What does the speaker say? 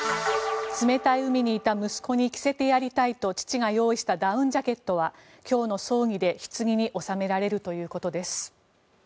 冷たい海にいた息子に着せてやりたいと父が用意したダウンジャケットは今日の葬儀でひつぎに納められるということです。